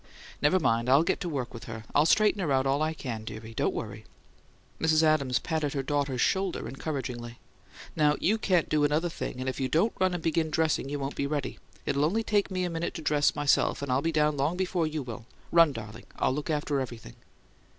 "Never mind; I'll get to work with her. I'll straighten her out all I can, dearie; don't worry." Mrs. Adams patted her daughter's shoulder encouragingly. "Now YOU can't do another thing, and if you don't run and begin dressing you won't be ready. It'll only take me a minute to dress, myself, and I'll be down long before you will. Run, darling! I'll look after everything."